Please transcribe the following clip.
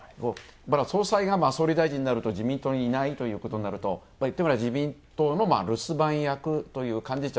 総裁が総理大臣になると自民党にいないということになると自民党の留守番役という幹事長。